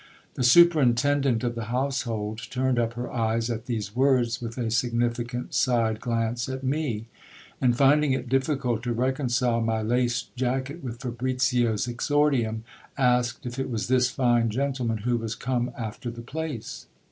The superintendent of the household turned up her eyes at these words with a significant side glance at me ; and, finding it difficult to reconcile my laced jacket with Fabricio's exordium, asked if it was this fine gendeman who was come after the place.